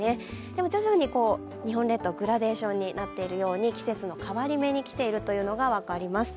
でも、徐々に日本列島、グラデーションになっているように季節の変わり目に来ていることが分かります。